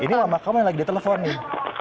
ini mama kamu yang lagi di telepon nih